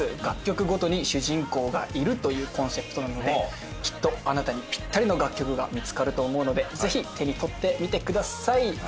楽曲ごとに主人公がいるというコンセプトなのできっとあなたにピッタリの楽曲が見つかると思うのでぜひ手に取ってみてください。